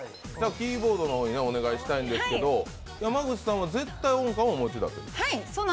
キーボードの方にお願いしたいんですけど山口さんは絶対音感をお持ちだという。